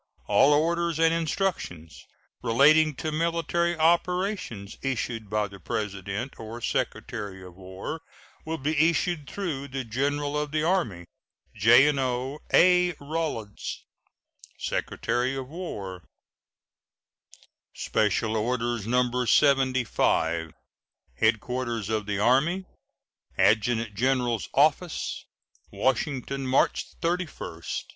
All orders and instructions relating to military operations issued by the President or Secretary of War will be issued through the General of the Army. JNO. A. RAWLINS, Secretary of War. SPECIAL ORDERS, No. 75. HEADQUARTERS OF THE ARMY, ADJUTANT GENERAL'S OFFICE, Washington, March 31, 1869.